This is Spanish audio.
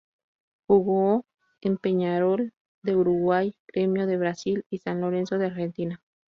Jugó en Peñarol de Uruguay, Gremio de Brasil y San Lorenzo de Argentina.